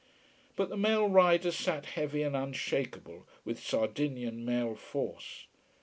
But the male riders sat heavy and unshakeable, with Sardinian male force.